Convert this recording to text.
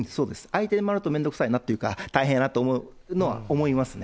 相手に回るとめんどくさいなというか大変やなと思うのは思います